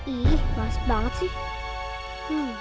ih mas banget sih